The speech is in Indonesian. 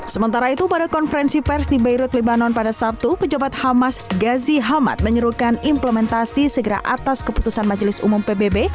sementara itu pada konferensi pers di beirut libanon pada sabtu pejabat hamas gazi hamad menyerukan implementasi segera atas keputusan majelis umum pbb